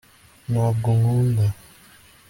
ntabwo nkunda